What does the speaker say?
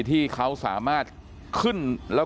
พี่บูรำนี้ลงมาแล้ว